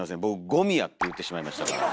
「ゴミや」って言うてしまいましたから。